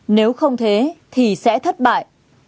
nếu không thế thì sẽ thất bại